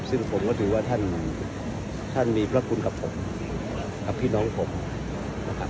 ซึ่งผมก็ถือว่าท่านมีพระคุณกับผมกับพี่น้องผมนะครับ